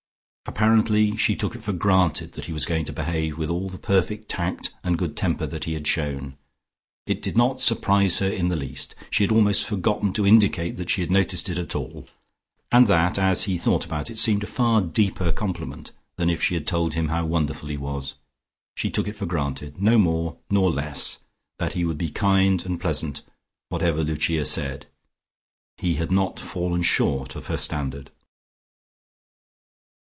Apparently she took it for granted that he was going to behave with all the perfect tact and good temper that he had shown. It did not surprise her in the least, she had almost forgotten to indicate that she had noticed it at all. And that, as he thought about it, seemed a far deeper compliment than if she had told him how wonderful he was. She took it for granted, no more nor less, that he would be kind and pleasant, whatever Lucia said. He had not fallen short of her standard....